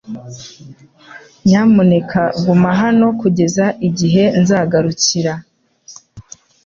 Nyamuneka guma hano kugeza igihe nzagarukira .